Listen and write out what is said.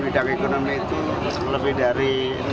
bidang ekonomi itu lebih dari enam puluh